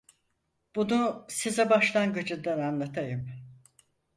Bunu size başlangıcından anlatayım: